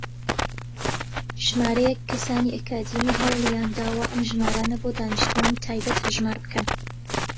ژمارەیەک کەسانی ئەکادیمی هەوڵیانداوە ئەم ژمارانە بۆ دانیشتووانی تایبەت هەژمار بکەن.